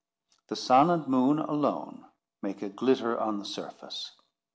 The sun and moon alone make a glitter on the surface.